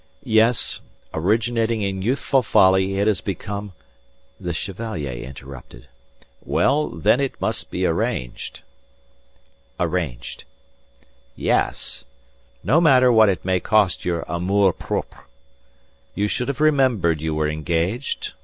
"Yes, originating in youthful folly it has become..." The Chevalier interrupted. "Well then it must be arranged." "Arranged." "Yes. No matter what it may cost your amour propre. You should have remembered you were engaged.